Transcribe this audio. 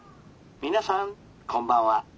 皆さんこんばんは。